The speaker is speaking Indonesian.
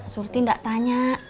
surti enggak tanya